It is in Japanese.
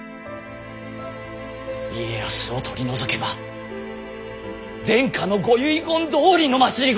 家康を取り除けば殿下のご遺言どおりの政をなせる。